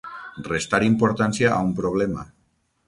Restar importància a un problema.